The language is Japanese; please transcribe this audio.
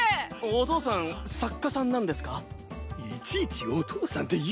お父さん作家さんなんですか？